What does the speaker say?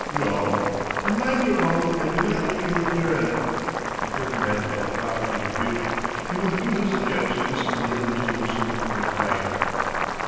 No? Then mind your own and do not be interferin'." The third man felt properly rebuked. He withdrew his objections and the other two resumed their fight.